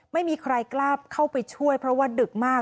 ไม่มีใครกล้าเข้าไปช่วยเพราะว่าดึกมาก